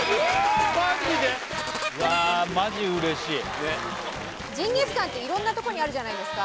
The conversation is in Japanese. わあマジ嬉しいねっジンギスカンって色んなとこにあるじゃないですか